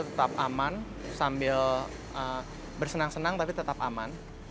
tetap aman sambil bersenang senang tapi tetap aman